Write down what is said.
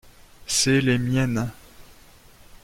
C’est les miennes.